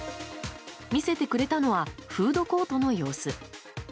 見せてくれたのはフードコートの様子。